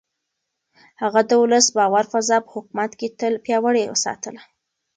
هغه د ولس د باور فضا په حکومت کې تل پياوړې وساتله.